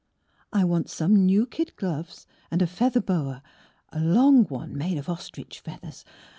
I want some new kid gloves and a feather boa (a long one made of ostrich feathers).